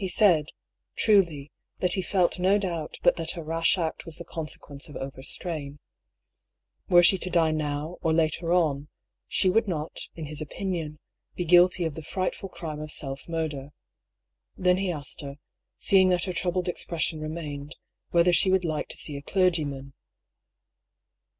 He said, truly, that he felt no doubt but that her rash act was the consequence of overstrain. Were she to die now, or later on, she would not, in his opinion, be guilty of the frightful crime of self murder. Then he asked her, seeing that her troubled expression remained, whether she would like to see a clergyman.